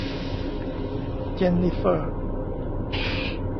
เจนนิเฟอร์